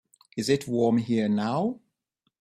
Is it warm here now?